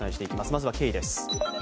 まずは経緯です。